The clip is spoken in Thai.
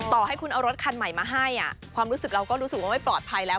ต่อให้คุณเอารถคันใหม่มาให้ความรู้สึกเราก็รู้สึกว่าไม่ปลอดภัยแล้ว